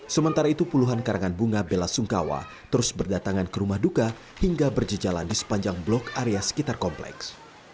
sementara itu puluhan karangan bunga bela sungkawa terus berdatangan ke rumah duka hingga berjejalan di sepanjang blok area sekitar kompleks